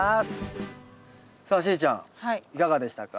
さあしーちゃんいかがでしたか？